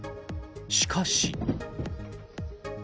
しかし。